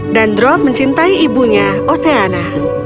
dan drop mencintai ibunya oceana